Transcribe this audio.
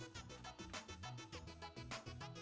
aku sama jangan citec